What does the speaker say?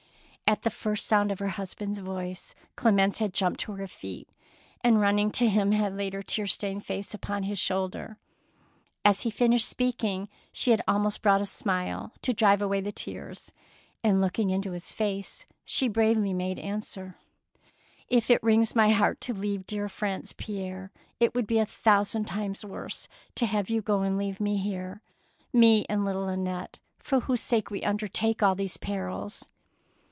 At the first sound of her husband's voice Clemence had jumped to her feet, and running to him had laid her tear stained face upon his shoulder. As he finished speaking, she had almost brought a smile to drive away the tears, and looking into his face she bravely made answer, — If it wrings my heart to leave dear France, Pierre, it would be a thousand times worse to have you go and leave me here, me and little Annette, for whose sake we undertake all these perils."